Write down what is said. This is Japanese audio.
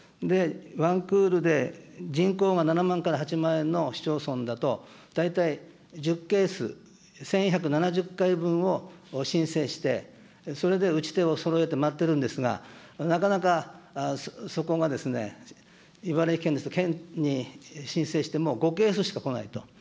１クールで人口が７万から８万人の市町村だと、大体１０ケース、１１７０回分を申請して、それで打ち手をそろえて待ってるんですが、なかなかそこが、茨城県ですと、県に申請しても５ケースしか来ないと。